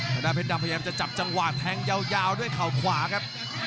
ทางด้านเพชรดำพยายามจะจับจังหวะแทงยาวด้วยเข่าขวาครับ